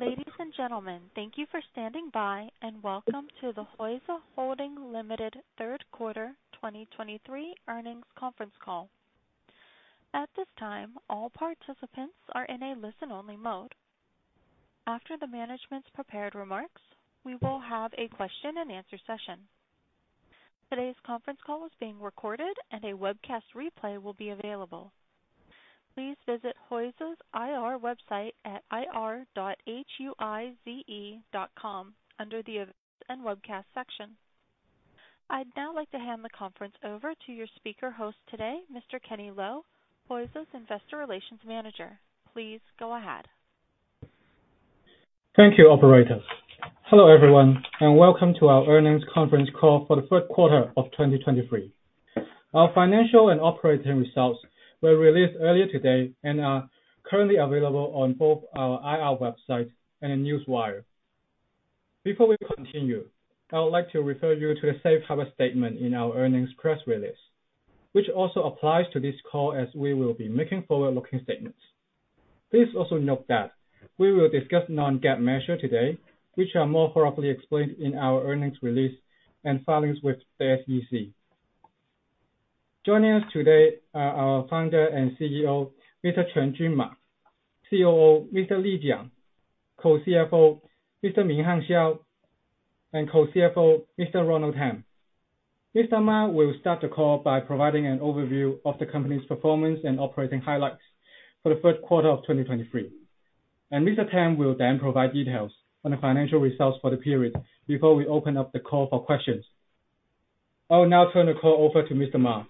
Ladies and gentlemen, thank you for standing by, and welcome to the Huize Holding Limited Third Quarter 2023 Earnings Conference Call. At this time, all participants are in a listen-only mode. After the management's prepared remarks, we will have a question-and-answer session. Today's conference call is being recorded and a webcast replay will be available. Please visit Huize's IR website at ir.huize.com under the Events and Webcasts section. I'd now like to hand the conference over to your speaker host today, Mr. Kenny Lo, Huize's Investor Relations Manager. Please go ahead. Thank you, operator. Hello everyone, and welcome to our earnings conference call for the third quarter of 2023. Our financial and operating results were released earlier today and are currently available on both our IR website and Newswire. Before we continue, I would like to refer you to the safe harbor statement in our earnings press release, which also applies to this call as we will be making forward-looking statements. Please also note that we will discuss non-GAAP measure today, which are more thoroughly explained in our earnings release and filings with the SEC. Joining us today are our Founder and CEO, Mr. Cunjun Ma, COO, Mr. Li Jiang, Co-CFO, Mr. Minghan Xiao, and Co-CFO, Mr. Ronald Tam. Mr. Ma will start the call by providing an overview of the company's performance and operating highlights for the first quarter of 2023. And Mr. Tam will then provide details on the financial results for the period before we open up the call for questions. I will now turn the call over to Mr. Ma.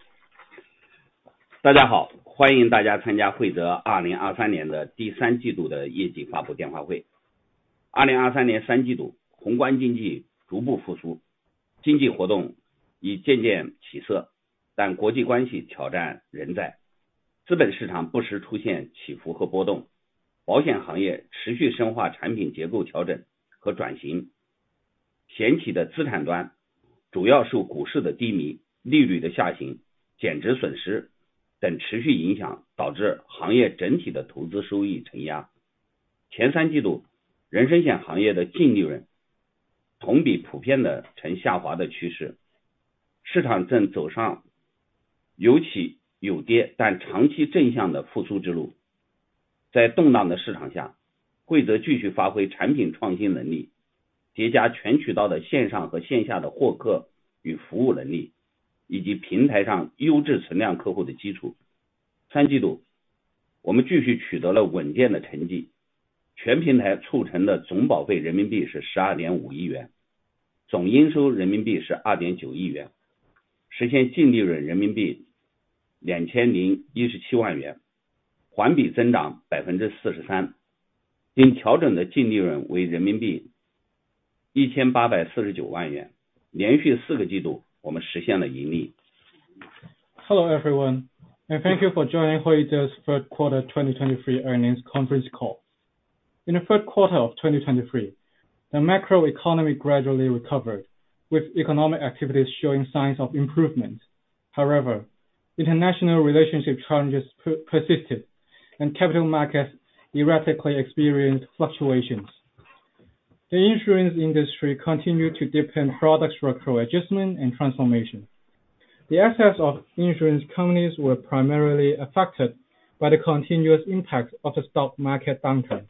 Hello everyone, and thank you for joining Huize's Third Quarter 2023 Earnings Conference Call. In the third quarter of 2023, the macro economy gradually recovered, with economic activities showing signs of improvement. However, international relationship challenges persisted, and capital markets erratically experienced fluctuations. The insurance industry continued to deepen product structural adjustment and transformation. The assets of insurance companies were primarily affected by the continuous impact of the stock market downturn,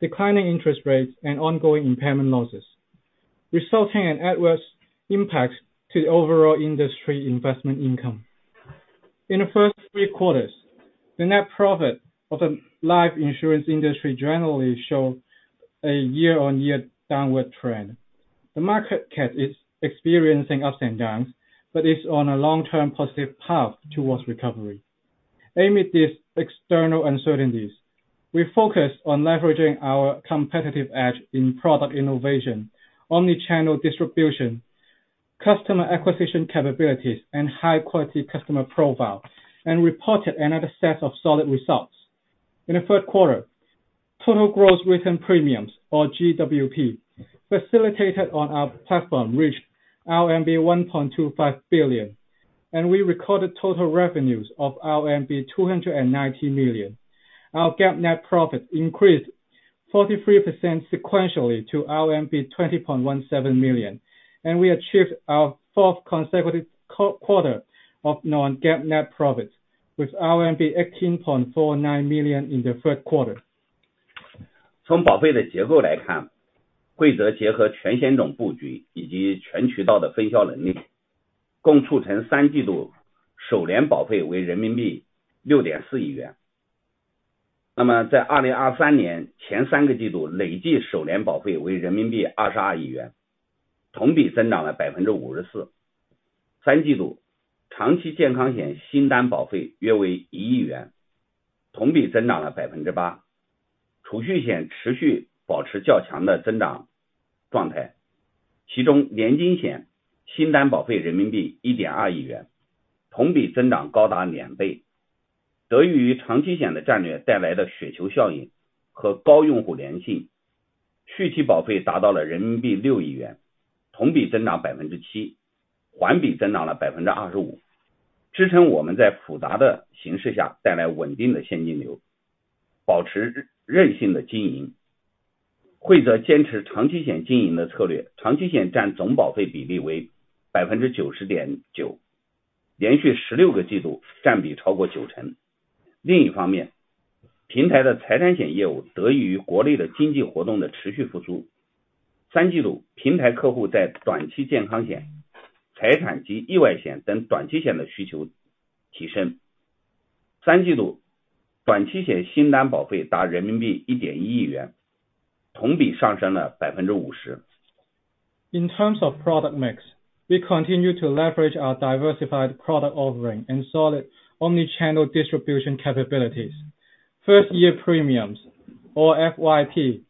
declining interest rates, and ongoing impairment losses, resulting in adverse impacts to the overall industry investment income. In the first three quarters, the net profit of the life insurance industry generally showed a year-on-year downward trend. The market cap is experiencing ups and downs, but is on a long-term positive path towards recovery. Amidst these external uncertainties, we focus on leveraging our competitive edge in product innovation, omni-channel distribution, customer acquisition capabilities, and high-quality customer profile, and reported another set of solid results. In the third quarter, total gross written premiums, or GWP, facilitated on our platform reached RMB 1.25 billion, and we recorded total revenues of RMB 290 million. Our GAAP net profit increased 43% sequentially to RMB 20.17 million, and we achieved our fourth consecutive quarter of non-GAAP net profit with RMB 18.49 million in the third quarter. In terms of product mix, we continue to leverage our diversified product offering and solid omni-channel distribution capabilities. First year premiums or FYP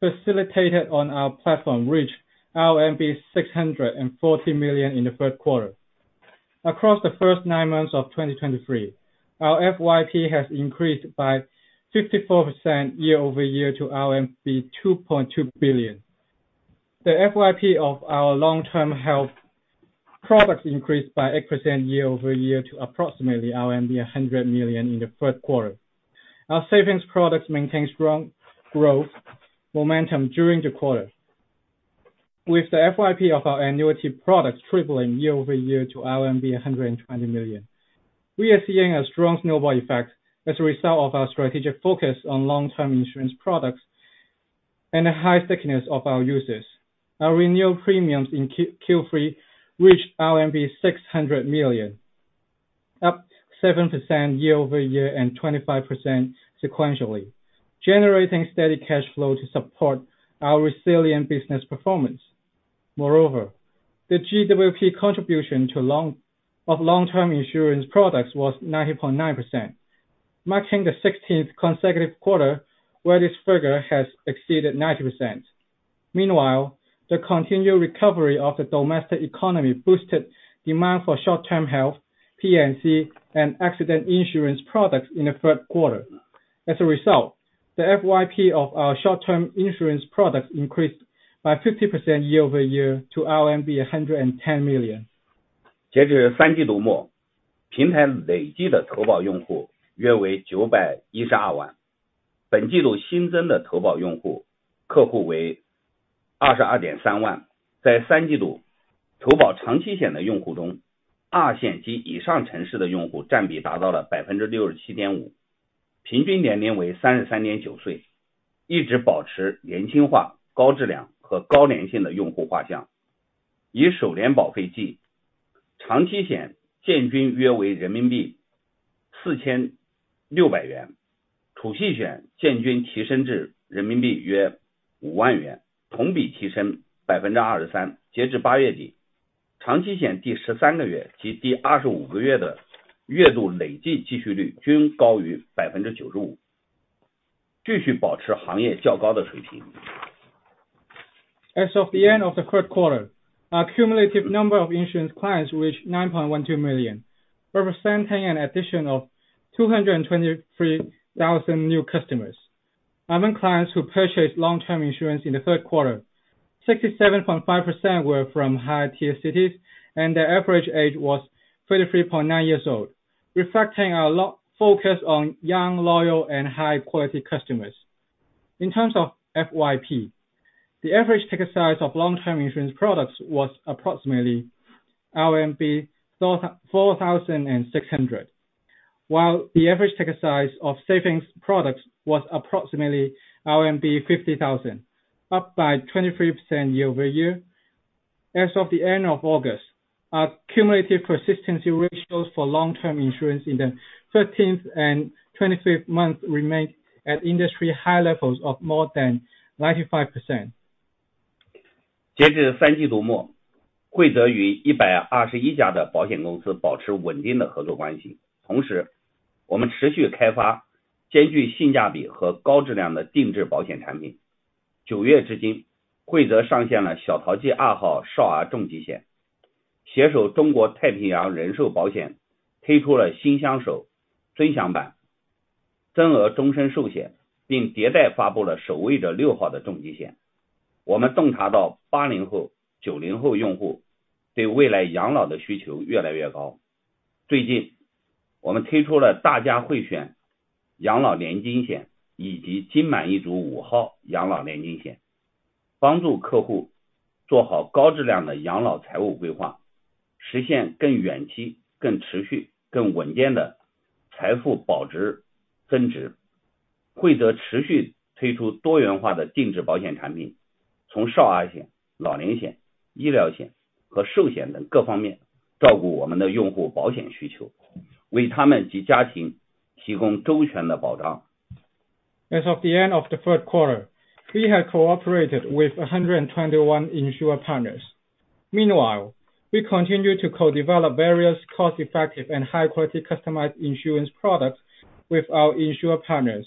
facilitated on our platform reached 640 million in the third quarter. Across the first nine months of 2023, our FYP has increased by 54% year-over-year to RMB 2.2 billion. The FYP of our long term health products increased by 8% year-over-year to approximately RMB 100 million in the first quarter. Our savings products maintained strong growth momentum during the quarter, with the FYP of our annuity products tripling year-over-year to 120 million. We are seeing a strong snowball effect as a result of our strategic focus on long-term insurance products and the high thickness of our users. Our renewal premiums in Q3 reached RMB 600 million, up 7% year-over-year and 25% sequentially, generating steady cash flow to support our resilient business performance. Moreover, the GWP contribution to long-term insurance products was 90.9%, marking the 16th consecutive quarter where this figure has exceeded 90%. Meanwhile, the continued recovery of the domestic economy boosted demand for short-term health, P&C, and accident insurance products in the third quarter. As a result, the FYP of our short-term insurance products increased by 50% year-over-year to RMB 110 million. 223,000 new customers. Among clients who purchased long-term insurance in the third quarter, 67.5% were from higher tier cities, and their average age was 33.9 years old, reflecting our focus on young, loyal, and high-quality customers. In terms of FYP, the average ticket size of long-term insurance products was approximately RMB 4,600, while the average ticket size of savings products was approximately RMB 50,000, up by 23% year-over-year. As of the end of August, our cumulative persistency ratios for long-term insurance in the 13th and 23rd months remained at industry high levels of more than 95%. As of the end of the third quarter, we have cooperated with 121 insurer partners. Meanwhile, we continue to co-develop various cost-effective and high-quality customized insurance products with our insurer partners.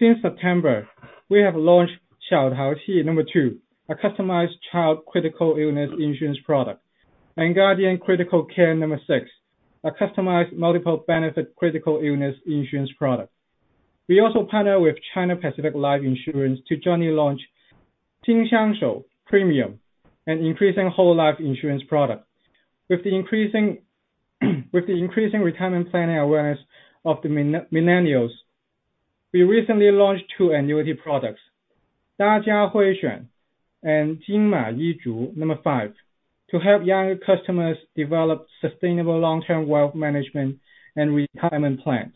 Since September, we have launched 小淘气 number two, a customized child critical illness insurance product, and Guardian Critical Care number six, a customized multiple benefit critical illness insurance product. We also partner with China Pacific Life Insurance to jointly launch-... Jin Xiang Xiu Premium, and increasing whole life insurance product. With the increasing retirement planning awareness of the millennials, we recently launched two annuity products, Dajia Huixuan and Jin Man Yi Zu number five, to help young customers develop sustainable long-term wealth management and retirement plans.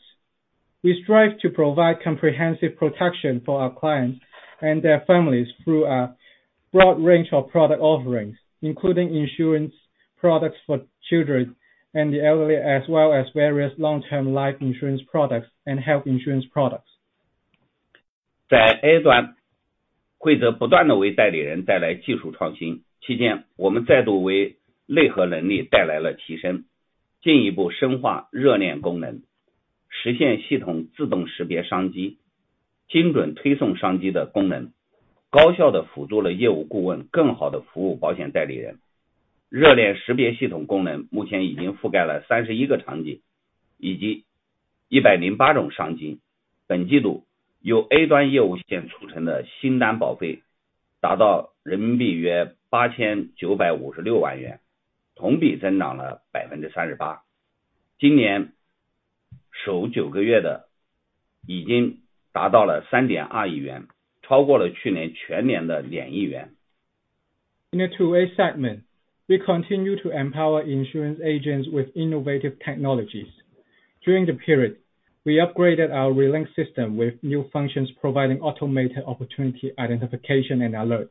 We strive to provide comprehensive protection for our clients and their families through a broad range of product offerings, including insurance products for children and the elderly, as well as various long-term life insurance products and health insurance products. 在A端，将会不断地为代理人带来技术创新。期间，我们再度为内核能力带来了提升，进一步深化Relink功能，实现系统自动识别商机，精准推送商机的功能，高效地辅助了业务顾问更好地服务保险代理人。Relink识别系统功能目前已经覆盖了31个场景，以及108种商机。本季度，由A端业务线促成的新单保费达到约RMB 89.56 million，同比增长38%。今年首9个月已经达到了RMB 320 million，超过了去年全年的RMB 200 million。In the 2A segment, we continue to empower insurance agents with innovative technologies. During the period, we upgraded our Relink System with new functions, providing automated opportunity identification and alerts,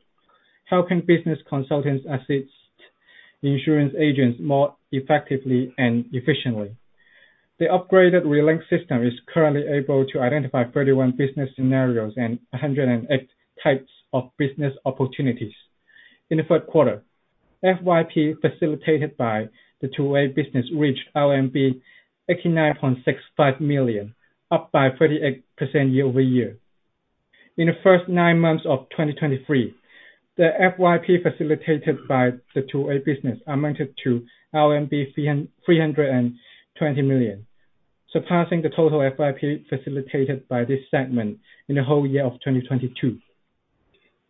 helping business consultants assist insurance agents more effectively and efficiently. The upgraded Relink System is currently able to identify 31 business scenarios and hundreds of types of business opportunities. In the third quarter, FYP facilitated by the 2A business reached RMB 89.65 million, up 38% year-over-year. In the first nine months of 2023, the FYP facilitated by the 2A business amounted to RMB 320 million, surpassing the total FYP facilitated by this segment in the whole year of 2022.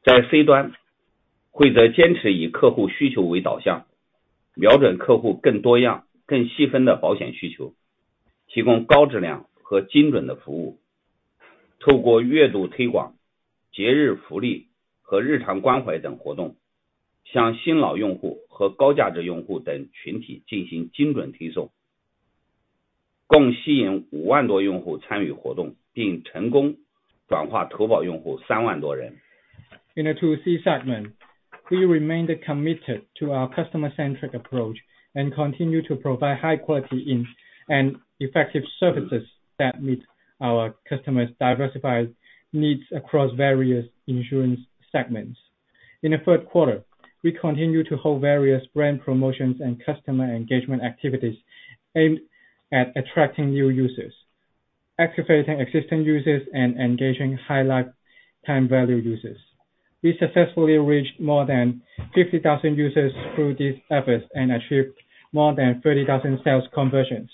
在C端，慧择坚持以客户需求为导向，瞄准客户更多样、更细分的保险需求，提供高质量和精准的服务。通过月度推广、节日福利和日常关怀等活动，向新老用户和高价值用户等群体进行精准推送，共吸引50,000多用户参与活动，并成功转化投保用户30,000多人。In the 2C segment, we remained committed to our customer-centric approach and continue to provide high-quality and effective services that meet our customers' diversified needs across various insurance segments. In the third quarter, we continue to hold various brand promotions and customer engagement activities aimed at attracting new users, activating existing users, and engaging high lifetime value users. We successfully reached more than 50,000 users through these efforts and achieved more than 30,000 sales conversions.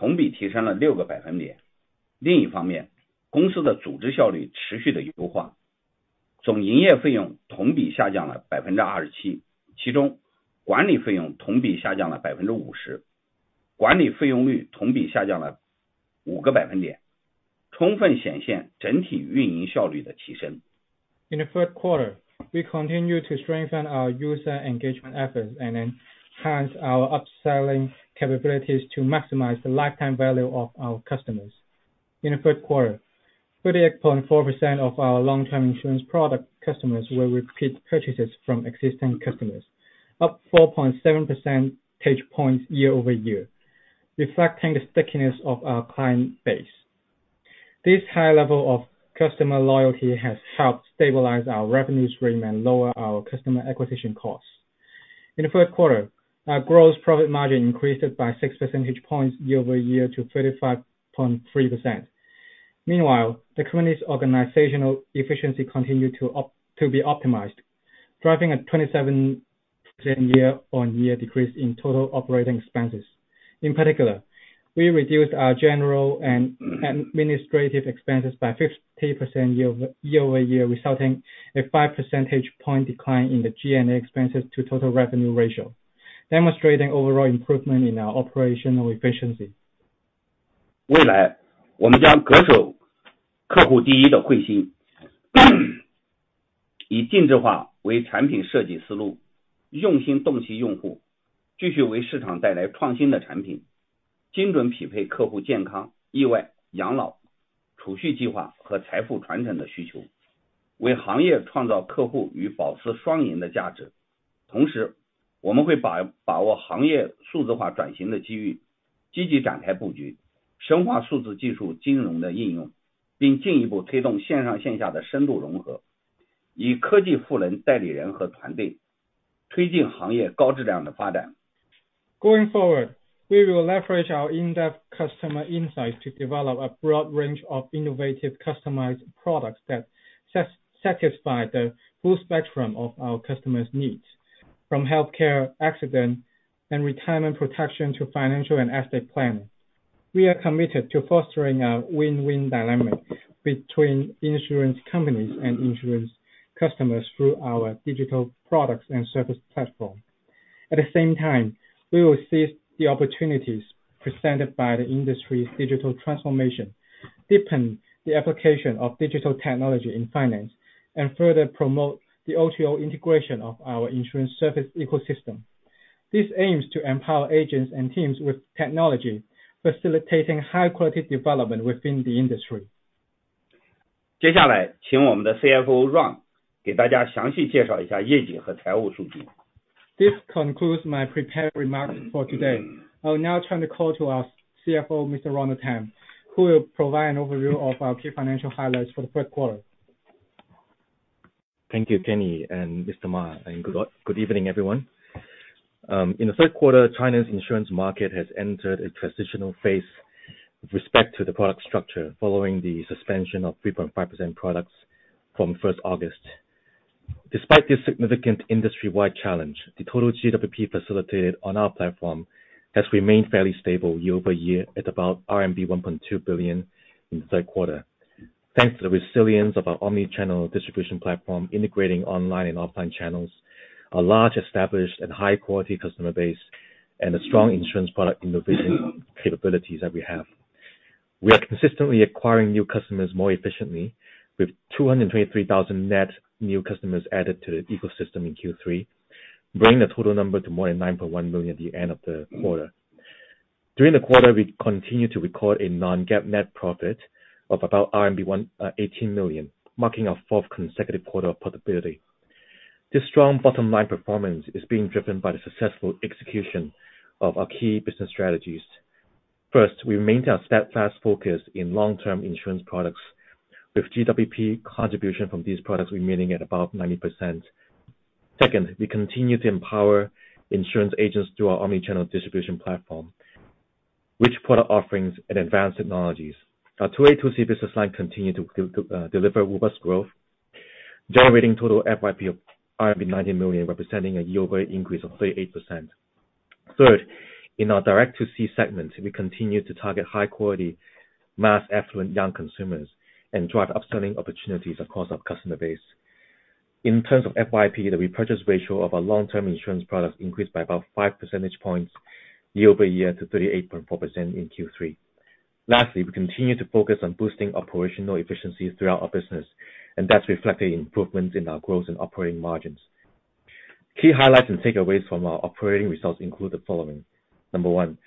In the third quarter, we continue to strengthen our user engagement efforts and enhance our up-selling capabilities to maximize the lifetime value of our customers. In the third quarter, 38.4% of our long-term insurance product customers were repeat purchases from existing customers, up 4.7% points year-over-year, reflecting the stickiness of our client base. This high level of customer loyalty has helped stabilize our revenue stream and lower our customer acquisition costs. In the third quarter, our gross profit margin increased by 6% points year-over-year to 35.3%. Meanwhile, the company's organizational efficiency continued to be optimized, driving a 27% year-over-year decrease in total operating expenses. In particular, we reduced our general and administrative expenses by 50% year-over-year, resulting in a 5% point decline in the G&A expenses to total revenue ratio, demonstrating overall improvement in our operational efficiency. 未来，我们将恪守客户第一的初心。以定制化为产品设计思路，用心洞悉用户，继续为市场带来创新的产品，精准匹配客户健康、意外、养老和-... 储蓄计划和财富传承的需求，为行业创造客户与保持双赢的价值。同时，我们会把握行业数字化转型的机会，积极展开布局，深化数字技术金融的应用，并进一步推动线上线下的深度融合，以科技赋能代理人和团队，推进行业高质量的发展。Going forward, we will leverage our in-depth customer insights to develop a broad range of innovative, customized products that satisfy the full spectrum of our customers' needs, from healthcare, accident, and retirement protection to financial and asset planning. We are committed to fostering a win-win dynamic between insurance companies and insurance customers through our digital products and service platform. At the same time, we will seize the opportunities presented by the industry's digital transformation, deepen the application of digital technology in finance, and further promote the O2O integration of our insurance service ecosystem. This aims to empower agents and teams with technology, facilitating high quality development within the industry. 接下来，请我们的CFO Ronald给大家详细介绍一下业绩和财务数据。This concludes my prepared remarks for today. I will now turn the call to our CFO, Mr. Ronald Tam, who will provide an overview of our key financial highlights for the third quarter. Thank you, Kenny and Mr. Ma, and good, good evening, everyone. In the third quarter, China's insurance market has entered a transitional phase with respect to the product structure, following the suspension of 3.5% products from 1st August. Despite this significant industry-wide challenge, the total GWP facilitated on our platform has remained fairly stable year-over-year at about RMB 1.2 billion in the third quarter. Thanks to the resilience of our omni-channel distribution platform, integrating online and offline channels, a large established and high quality customer base, and a strong insurance product innovation capabilities that we have. We are consistently acquiring new customers more efficiently, with 223,000 net new customers added to the ecosystem in Q3, bringing the total number to more than 9.1 million at the end of the quarter. During the quarter, we continued to record a non-GAAP net profit of about RMB 118 million, marking our fourth consecutive quarter of profitability. This strong bottom line performance is being driven by the successful execution of our key business strategies. First, we maintained our steadfast focus in long-term insurance products, with GWP contribution from these products remaining at above 90%. Second, we continue to empower insurance agents through our omni-channel distribution platform, which product offerings and advanced technologies. Our 2A, 2C business line continued to deliver robust growth, generating total FYP of 90 million, representing a year-over-year increase of 38%. Third, in our direct to C segment, we continue to target high quality, mass affluent young consumers and drive upselling opportunities across our customer base. In terms of FYP, the repurchase ratio of our long-term insurance products increased by about 5% points year-over-year to 38.4% in Q3. Lastly, we continue to focus on boosting operational efficiencies throughout our business, and that's reflected in improvements in our growth and operating margins. Key highlights and takeaways from our operating results include the following. Number one,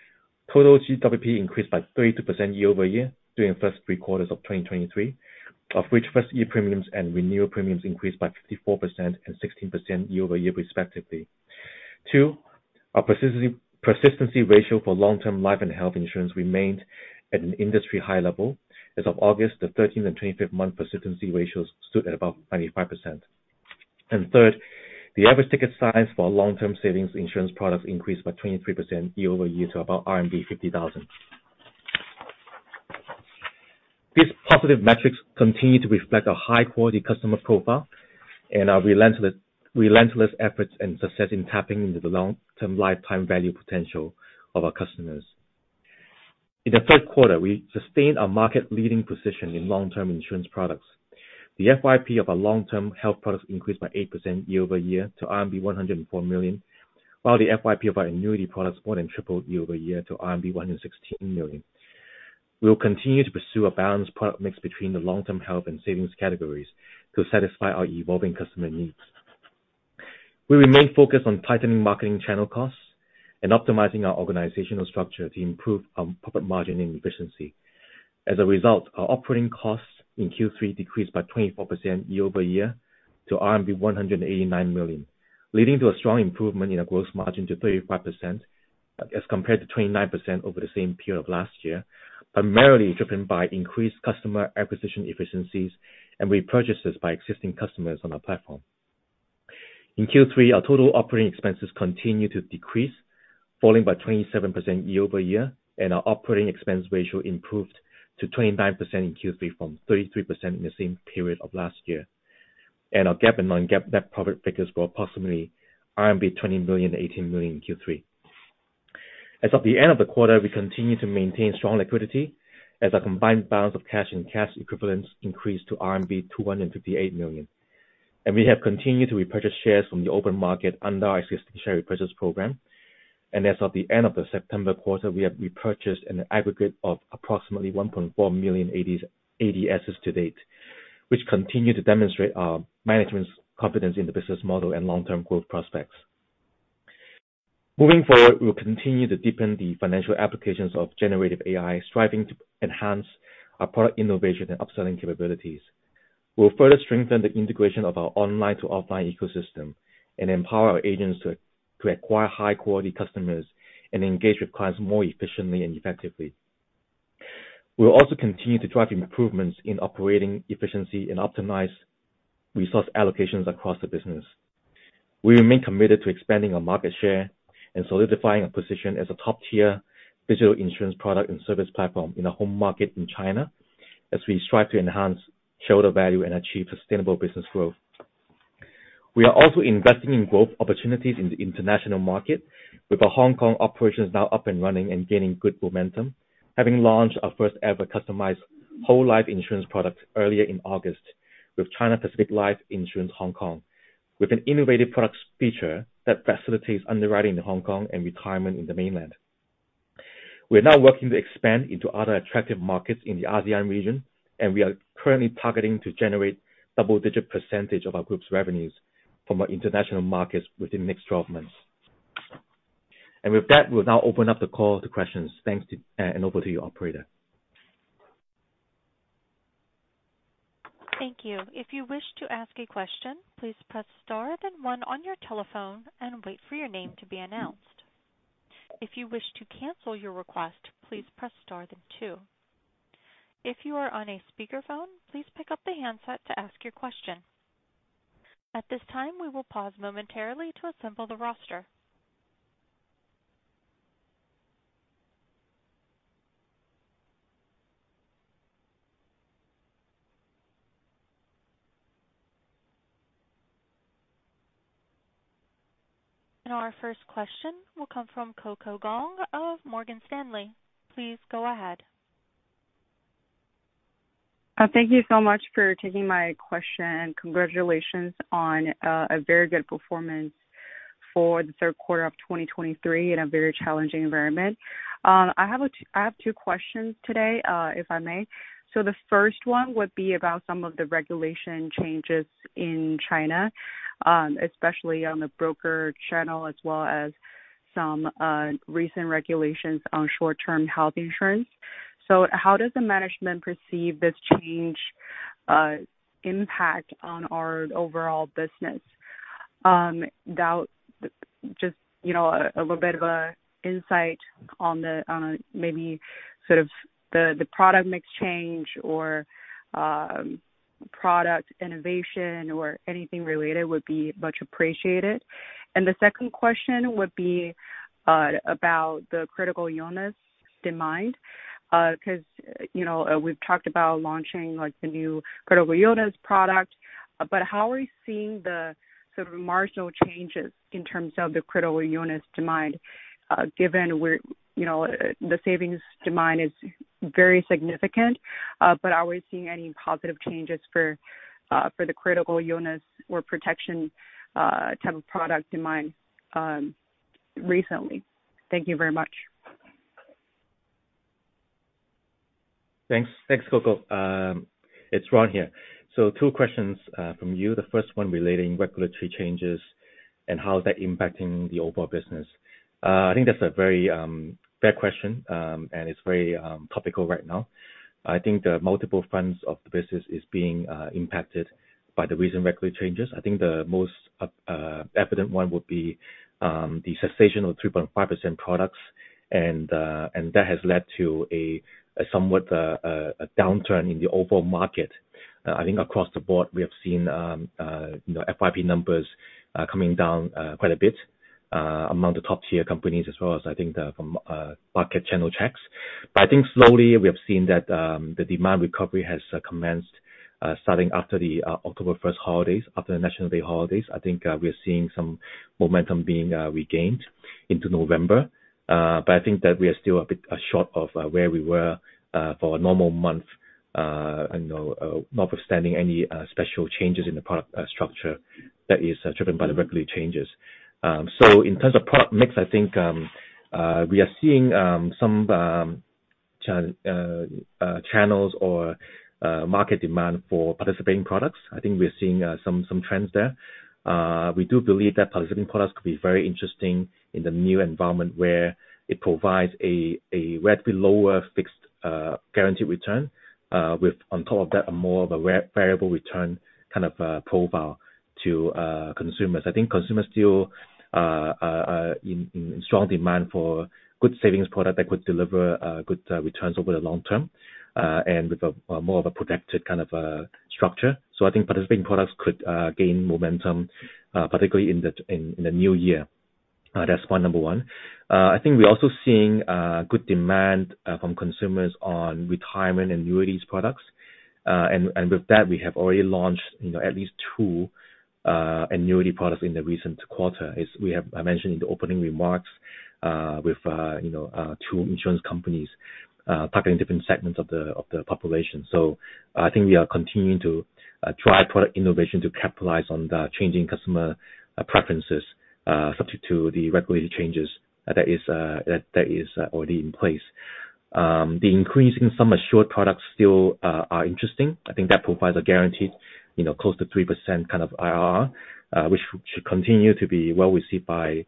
total GWP increased by 32% year-over-year during the first three quarters of 2023, of which first year premiums and renewal premiums increased by 54% and 16% year-over-year, respectively. Two, our persistency, persistency ratio for long-term life and health insurance remained at an industry high level. As of August, the 13th and 25th month persistency ratios stood at above 95%. Third, the average ticket size for long-term savings insurance products increased by 23% year-over-year to about RMB 50,000. These positive metrics continue to reflect a high quality customer profile and our relentless, relentless efforts and success in tapping into the long-term lifetime value potential of our customers. In the third quarter, we sustained our market leading position in long-term insurance products. The FYP of our long-term health products increased by 8% year-over-year to RMB 104 million, while the FYP of our annuity products more than tripled year-over-year to RMB 116 million. We will continue to pursue a balanced product mix between the long-term health and savings categories to satisfy our evolving customer needs. We remain focused on tightening marketing channel costs and optimizing our organizational structure to improve our profit margin and efficiency. As a result, our operating costs in Q3 decreased by 24% year-over-year to RMB 189 million, leading to a strong improvement in our growth margin to 35%, as compared to 29% over the same period of last year, primarily driven by increased customer acquisition efficiencies and repurchases by existing customers on our platform. In Q3, our total operating expenses continued to decrease, falling by 27% year-over-year, and our operating expense ratio improved to 29% in Q3 from 33% in the same period of last year. And our GAAP and non-GAAP net profit figures were approximately RMB 20 million, 18 million in Q3. As of the end of the quarter, we continue to maintain strong liquidity as our combined balance of cash and cash equivalents increased to RMB 258 million. We have continued to repurchase shares from the open market under our existing share repurchase program. As of the end of the September quarter, we have repurchased an aggregate of approximately 1.4 million ADSs to date, which continue to demonstrate our management's confidence in the business model and long-term growth prospects.... Moving forward, we'll continue to deepen the financial applications of generative AI, striving to enhance our product innovation and upselling capabilities. We'll further strengthen the integration of our online to offline ecosystem and empower our agents to acquire high quality customers and engage with clients more efficiently and effectively. We'll also continue to drive improvements in operating efficiency and optimize resource allocations across the business. We remain committed to expanding our market share and solidifying our position as a top-tier digital insurance product and service platform in the home market in China, as we strive to enhance shareholder value and achieve sustainable business growth. We are also investing in growth opportunities in the international market, with our Hong Kong operations now up and running and gaining good momentum. Having launched our first ever customized whole life insurance product earlier in August, with China Pacific Life Insurance Hong Kong, with an innovative product feature that facilitates underwriting in Hong Kong and retirement in the mainland. We are now working to expand into other attractive markets in the ASEAN region, and we are currently targeting to generate double-digit percentage of our group's revenues from our international markets within the next 12 months. With that, we'll now open up the call to questions. Thanks to, and over to you, operator. Thank you. If you wish to ask a question, please press star then one on your telephone and wait for your name to be announced. If you wish to cancel your request, please press star then two. If you are on a speakerphone, please pick up the handset to ask your question. At this time, we will pause momentarily to assemble the roster. Our first question will come from CoCo Gong of Morgan Stanley. Please go ahead. Thank you so much for taking my question, and congratulations on a very good performance for the third quarter of 2023 in a very challenging environment. I have two questions today, if I may. So the first one would be about some of the regulation changes in China, especially on the broker channel, as well as some recent regulations on short-term health insurance. So how does the management perceive this change impact on our overall business? That just, you know, a little bit of a insight on maybe sort of the product mix change or product innovation or anything related would be much appreciated. And the second question would be about the critical illness demand. 'Cause, you know, we've talked about launching, like, the new critical illness product, but how are we seeing the sort of marginal changes in terms of the critical illness demand, given where, you know, the savings demand is very significant, but are we seeing any positive changes for the critical illness or protection type of product in mind, recently? Thank you very much. Thanks. Thanks, CoCo. It's Ron here. So two questions from you. The first one relating regulatory changes and how is that impacting the overall business? I think that's a very fair question, and it's very topical right now. I think there are multiple fronts of the business is being impacted by the recent regulatory changes. I think the most evident one would be the cessation of 3.5% products, and that has led to a somewhat a downturn in the overall market. I think across the board, we have seen you know, FYP numbers coming down quite a bit among the top tier companies, as well as I think the market channel checks. But I think slowly we have seen that, the demand recovery has commenced, starting after the October 1st holidays, after the National Day holidays. I think, we are seeing some momentum being regained into November. But I think that we are still a bit short of where we were for a normal month, you know, notwithstanding any special changes in the product structure that is driven by the regulatory changes. So in terms of product mix, I think we are seeing some channels or market demand for participating products. I think we're seeing some trends there. We do believe that participating products could be very interesting in the new environment, where it provides a relatively lower fixed guaranteed return, with, on top of that, a more of a variable return kind of profile to consumers. I think consumers still in strong demand for good savings product that could deliver good returns over the long term, and with a more of a protected kind of structure. So I think Participating Products could gain momentum, particularly in the new year. That's point number one. I think we're also seeing good demand from consumers on retirement annuities products. And with that, we have already launched, you know, at least two annuity products in the recent quarter, as I have mentioned in the opening remarks, with, you know, two insurance companies, targeting different segments of the population. So I think we are continuing to drive product innovation to capitalize on the changing customer preferences, subject to the regulatory changes that is already in place. The increasing sum assured products still are interesting. I think that provides a guarantee, you know, close to 3% kind of IRR, which should continue to be well received by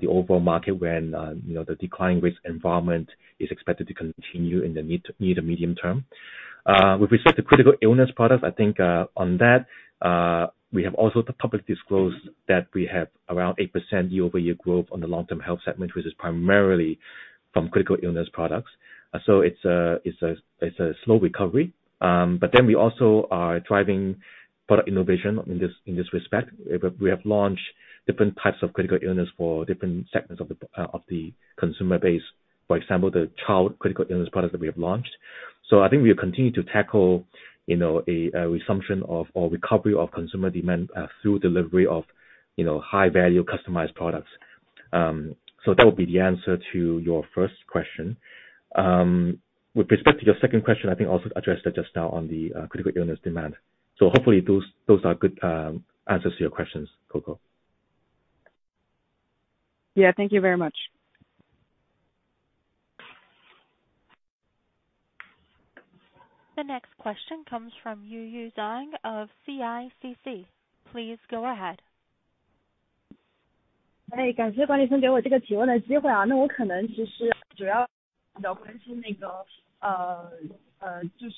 the overall market when, you know, the declining risk environment is expected to continue in the mid- to medium-term. With respect to critical illness products, I think, on that, we have also publicly disclosed that we have around 8% year-over-year growth on the long-term health segment, which is primarily from critical illness products. So it's a slow recovery. But then we also are driving product innovation in this respect. We have launched different types of critical illness for different segments of the consumer base, for example, the child critical illness product that we have launched. So I think we continue to tackle, you know, a resumption of or recovery of consumer demand through delivery of, you know, high value, customized products. So that would be the answer to your first question. With respect to your second question, I think I also addressed that just now on the critical illness demand. So hopefully those, those are good answers to your questions, CoCo. Yeah, thank you very much. The next question comes from Yuyu Zhang of CICC. Please go ahead. Hi. My question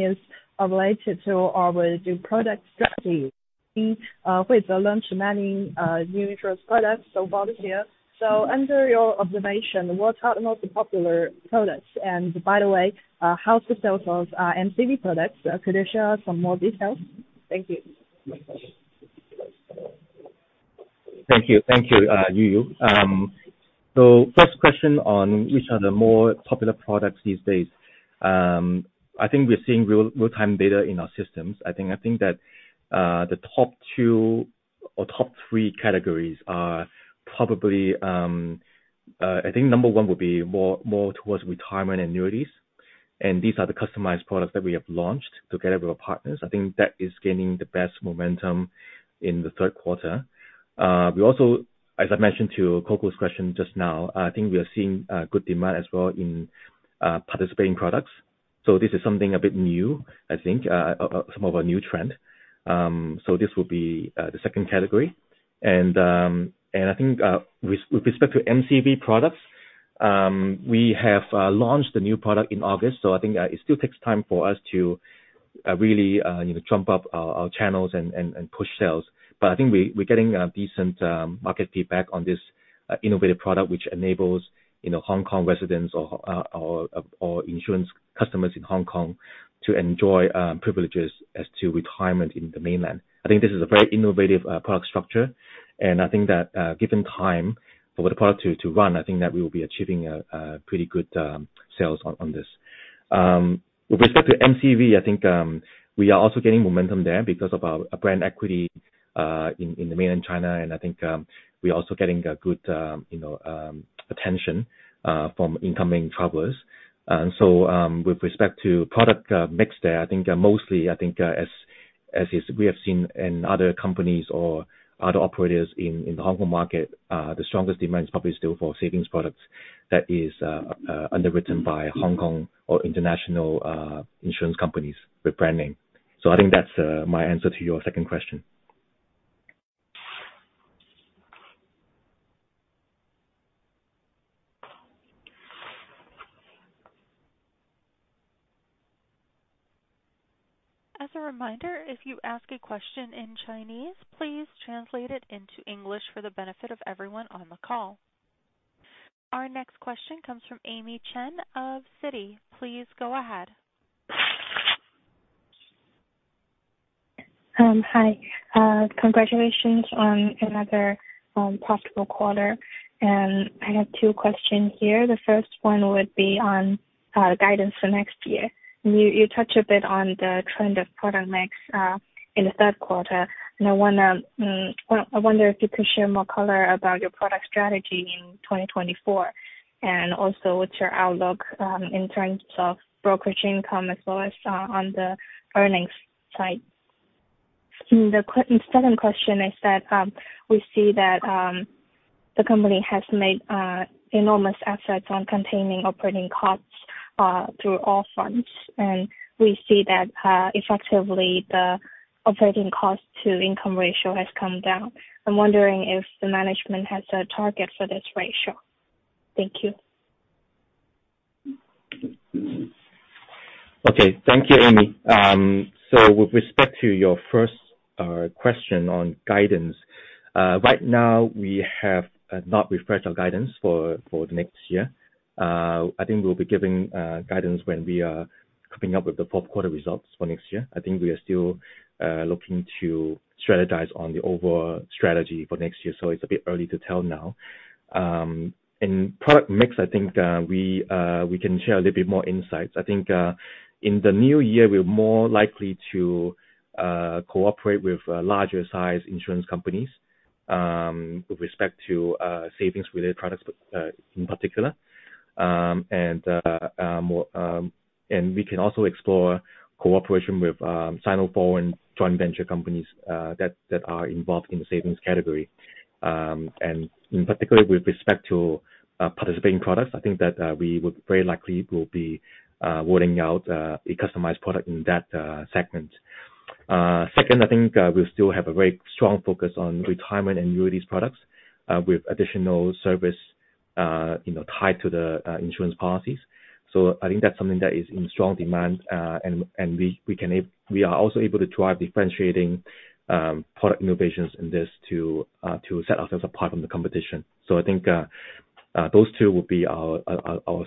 is related to our new product strategy. We have launched many new insurance products so far this year. So under your observation, what are the most popular products? And by the way, how's the sales of MCV products? Could you share some more details? Thank you. Thank you. Thank you, Yuyu. So first question on which are the more popular products these days. I think we're seeing real, real-time data in our systems. I think, I think that, the top two or top three categories are probably, I think number one would be more, more towards retirement annuities, and these are the customized products that we have launched together with our partners. I think that is gaining the best momentum in the third quarter. We also, as I mentioned to CoCo's question just now, I think we are seeing, good demand as well in, participating products. So this is something a bit new, I think, some of our new trend. So this will be, the second category. I think with respect to MCV products we have launched a new product in August, so I think it still takes time for us to really you know ramp up our channels and push sales. But I think we're getting a decent market feedback on this innovative product, which enables you know Hong Kong residents or insurance customers in Hong Kong to enjoy privileges as to retirement in the mainland. I think this is a very innovative product structure, and I think that given time for the product to run I think that we will be achieving a pretty good sales on this. With respect to MCV, I think we are also getting momentum there because of our brand equity in mainland China, and I think we are also getting a good you know attention from incoming travelers. With respect to product mix there, I think mostly, as is, we have seen in other companies or other operators in the Hong Kong market, the strongest demand is probably still for savings products that is underwritten by Hong Kong or international insurance companies with brand name. So I think that's my answer to your second question. As a reminder, if you ask a question in Chinese, please translate it into English for the benefit of everyone on the call. Our next question comes from Amy Chen of Citi. Please go ahead. Hi. Congratulations on another profitable quarter. I have two questions here. The first one would be on guidance for next year. You touched a bit on the trend of product mix in the third quarter, and I want to, I wonder if you could share more color about your product strategy in 2024, and also what's your outlook in terms of brokerage income as well as on the earnings side? The second question is that we see that the company has made enormous efforts on containing operating costs through all funds. We see that effectively, the operating cost to income ratio has come down. I'm wondering if the management has a target for this ratio. Thank you. Okay. Thank you, Amy. So with respect to your first question on guidance, right now we have not refreshed our guidance for the next year. I think we'll be giving guidance when we are coming up with the fourth quarter results for next year. I think we are still looking to strategize on the overall strategy for next year, so it's a bit early to tell now. In product mix, I think we can share a little bit more insights. I think in the new year, we're more likely to cooperate with larger sized insurance companies with respect to savings related products in particular. And we can also explore cooperation with Sino foreign joint venture companies that are involved in the savings category. And in particular, with respect to Participating Products, I think that we would very likely will be rolling out a customized product in that segment. Second, I think we'll still have a very strong focus on retirement and annuities products, with additional service, you know, tied to the insurance policies. So I think that's something that is in strong demand, and we are also able to drive differentiating product innovations in this to set us apart from the competition. So I think those two will be our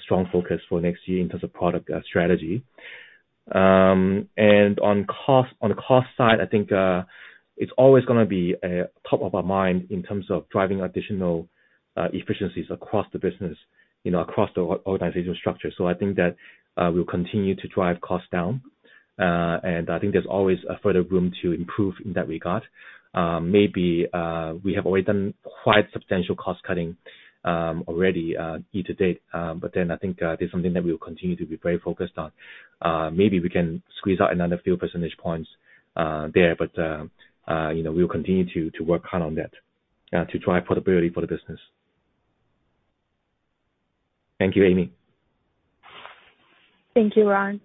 strong focus for next year in terms of product strategy. And on cost, on the cost side, I think, it's always gonna be, top of our mind in terms of driving additional, efficiencies across the business, you know, across the organizational structure. So I think that, we'll continue to drive costs down. And I think there's always a further room to improve in that regard. Maybe, we have already done quite substantial cost cutting, already, year to date. But then I think, this is something that we will continue to be very focused on. Maybe we can squeeze out another few percentage points, there, but, you know, we'll continue to work hard on that, to drive profitability for the business. Thank you, Amy. Thank you, Ron.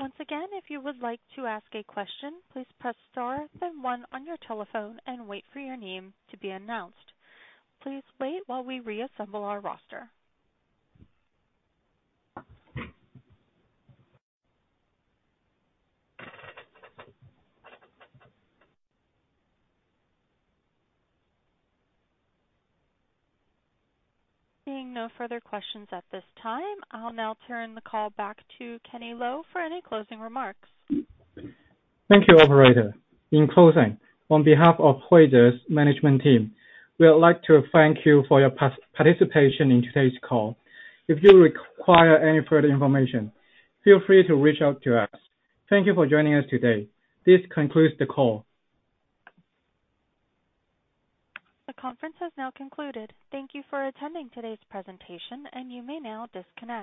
Once again, if you would like to ask a question, please press star then one on your telephone and wait for your name to be announced. Please wait while we reassemble our roster. Seeing no further questions at this time, I'll now turn the call back to Kenny Lo for any closing remarks. Thank you, operator. In closing, on behalf of Huize's management team, we would like to thank you for your participation in today's call. If you require any further information, feel free to reach out to us. Thank you for joining us today. This concludes the call. The conference has now concluded. Thank you for attending today's presentation, and you may now disconnect.